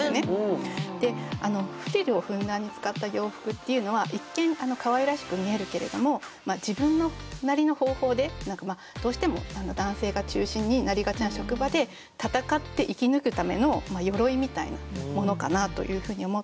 でフリルをふんだんに使った洋服っていうのは一見かわいらしく見えるけれども自分なりの方法でどうしても男性が中心になりがちな職場で戦って生き抜くためのよろいみたいなものかなというふうに思って。